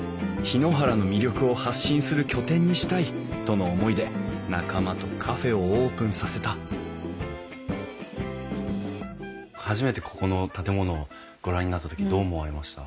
檜原の魅力を発信する拠点にしたいとの思いで仲間とカフェをオープンさせた初めてここの建物をご覧になった時どう思われました？